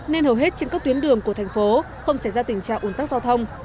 nên hầu hết trên các tuyến đường của thành phố không xảy ra tình trạng ủn tắc giao thông